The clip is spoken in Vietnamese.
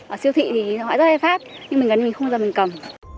ở siêu thị thì hỏi rất hay phát nhưng mình gắn mình không bao giờ mình cầm